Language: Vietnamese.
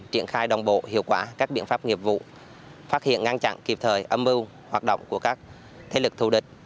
triển khai đồng bộ hiệu quả các biện pháp nghiệp vụ phát hiện ngăn chặn kịp thời âm mưu hoạt động của các thế lực thù địch